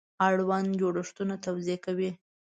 اړوند جوړښتونه توضیح کوي.